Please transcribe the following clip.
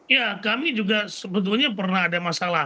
ya kami juga sebetulnya pernah ada masalah